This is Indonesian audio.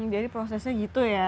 jadi prosesnya gitu ya